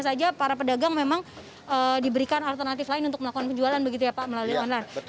tentu saja para pedagang memang diberikan alternatif lain untuk melakukan penjualan begitu ya pak melalui online